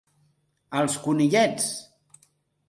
Els conillets!